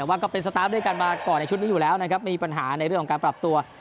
แต่ว่าก็เป็นสตาร์ฟด้วยกันมาก่อนในชุดนี้อยู่แล้วนะครับมีปัญหาในเรื่องของการปรับตัว